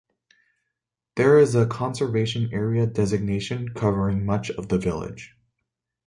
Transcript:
There is a Conservation Area designation covering much of the village.